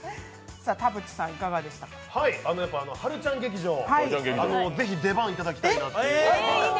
はるちゃん劇場、ぜひ出番いただきたいなという。